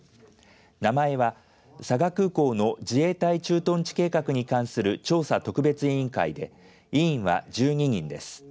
名前は佐賀空港の自衛隊駐屯地計画に関する調査特別委員会で委員は１２人です。